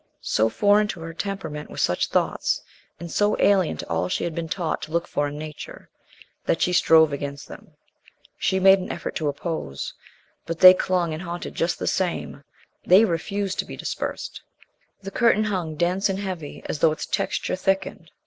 So foreign to her temperament were such thoughts, and so alien to all she had been taught to look for in Nature, that she strove against them. She made an effort to oppose. But they clung and haunted just the same; they refused to be dispersed. The curtain hung dense and heavy as though its texture thickened.